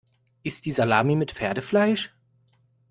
Ist die Salami mit Pferdefleisch?